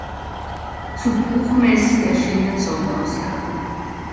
Zu Buchmessen erschienen Sonderausgaben.